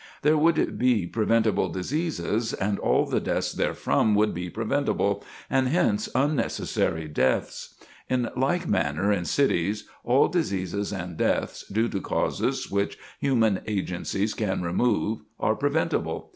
These would be preventable diseases, and all the deaths therefrom would be preventable, and hence unnecessary deaths. In like manner in cities, all diseases and deaths due to causes which human agencies can remove are preventable.